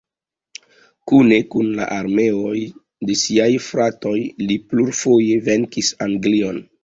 Kune kun la armeoj de siaj fratoj, li plurfoje venkis Anglion.